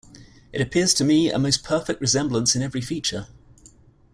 It appears to me a most perfect resemblance in every feature.